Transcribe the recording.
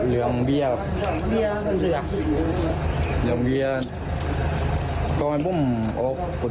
แล้วพวกเราหลีกที่บ้าน